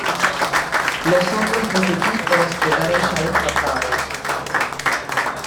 Los otros tres equipos quedaron ya descartados.